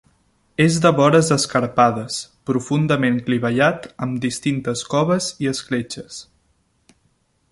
És de vores escarpades, profundament clivellat amb distintes coves i escletxes.